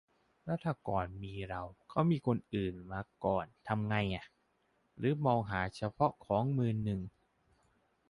แล้วถ้าก่อนมีเรา เขามีคนอื่นมาก่อนทำไงอะ หรือมองหาเฉพาะของมือหนึ่ง